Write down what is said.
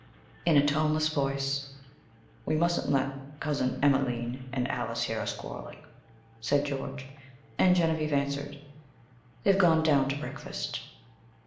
In a toneless voice: "We mustn't let Cousin Emelene and Alys hear us quarreling," said George. And Genevieve answered, "They've gone down to breakfast."